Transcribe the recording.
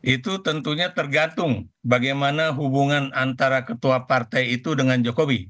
itu tentunya tergantung bagaimana hubungan antara ketua partai itu dengan jokowi